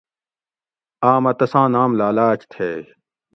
آمہ تساں نام لالاچ تھیئ